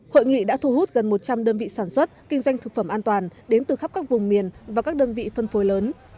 hội nghị đã thu hút gần một trăm linh đơn vị sản xuất kinh doanh thực phẩm an toàn đến từ khắp các vùng miền và các đơn vị phân phối lớn